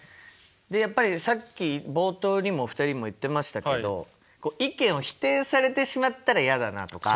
でやっぱりさっき冒頭にも２人も言ってましたけど意見を否定されてしまったら嫌だなとか。